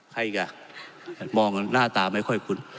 ใครจะมองหน้าตาไม่ค่อยคุ้น